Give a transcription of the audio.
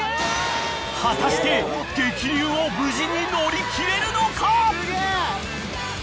［果たして激流を無事に乗り切れるのか？］